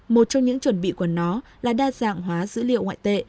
một trong những chuẩn bị của nó là đa dạng hóa dữ liệu ngoại tệ